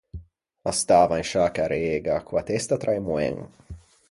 A stava in sciâ carrega, co-a testa tra e moen.